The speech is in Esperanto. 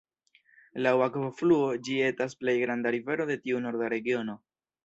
Laŭ akvofluo, ĝi etas plej granda rivero de tiu Norda regiono.